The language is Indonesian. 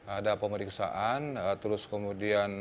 ada pemeriksaan terus kemudian